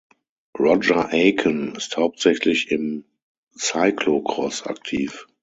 Roger Aiken ist hauptsächlich im Cyclocross aktiv.